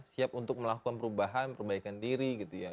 siap untuk melakukan perubahan perbaikan diri gitu ya